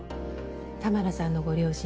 玉名さんのご両親